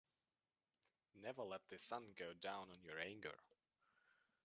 Never let the sun go down on your anger.